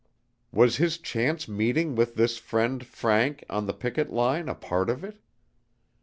Was his chance meeting with this friend, Frank, on the picket line, a part of it?